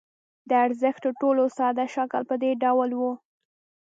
د ارزښت تر ټولو ساده شکل په دې ډول وو